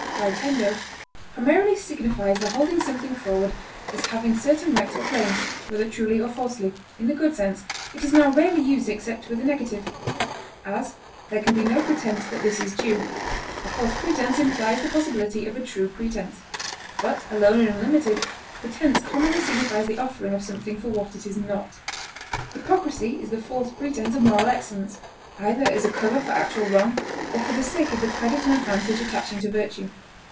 prætendo) primarily signifies the holding something forward as having certain rights or claims, whether truly or falsely; in the good sense, it is now rarely used except with a negative; as, there can be no pretense that this is due; a false pretense implies the possibility of a true pretense; but, alone and unlimited, pretense commonly signifies the offering of something for what it is not. Hypocrisy is the false pretense of moral excellence, either as a cover for actual wrong, or for the sake of the credit and advantage attaching to virtue.